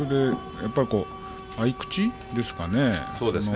やっぱり合い口ですかね。